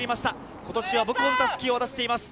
今年は母校の襷を渡しています。